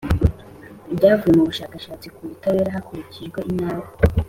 Ibyavuye mu bushakashatsi ku butabera hakurikijwe intara